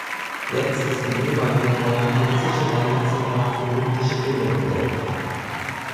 Jetzt ist im ehemaligen Heim die hessische Landeszentrale für politische Bildung untergebracht.